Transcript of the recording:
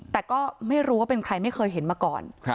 แต่ก็ไม่รู้ว่าเป็นใครไม่เคยเห็นมาก่อน